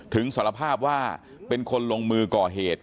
สารภาพว่าเป็นคนลงมือก่อเหตุ